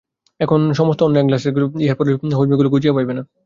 এখন সমস্ত অন্ন এক গ্রাসে গিলিতেছ, ইহার পরে হজমি গুলি খুঁজিয়া পাইবে না।